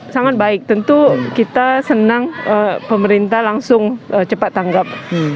sangat baik tentu kita senang pemerintah langsung cepat tanggap